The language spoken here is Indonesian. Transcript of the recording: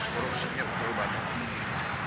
korupsinya terlalu banyak